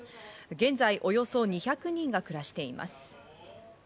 現在およそ２００人が暮らしています。